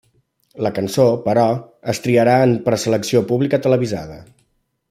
La cançó, però, es triarà en preselecció pública televisada.